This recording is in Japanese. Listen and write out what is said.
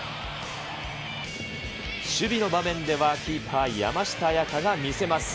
守備の場面では、キーパー、山下杏也加が見せます。